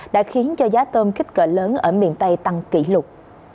đã khiến cho giá tôm kích cỡ lớn ở miền tây tăng kỷ lục